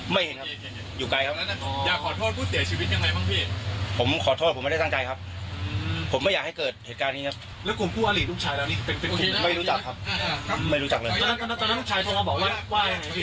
ให้ออกกำลังครับ